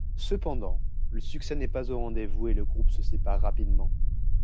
Cependant, le succès n'est pas au rendez-vous et le groupe se sépare rapidement.